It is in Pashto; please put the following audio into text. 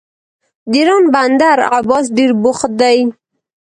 د ایران بندر عباس ډیر بوخت دی.